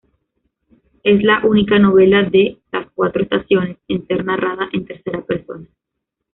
Es la única novela de "Las Cuatro Estaciones" en ser narrada en tercera persona.